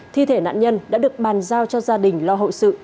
thi thể nạn nhân đã được bàn giao cho gia đình lo hậu sự